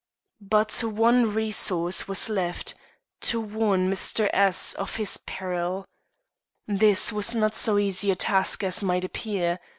But one resource was left: to warn Mr. S of his peril. This was not so easy a task as might appear.